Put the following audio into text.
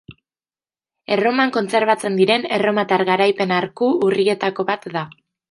Erroman kontserbatzen diren erromatar garaipen arku urrietako bat da.